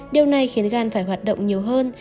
điều này khiến gan phải hoạt động nhiều hơn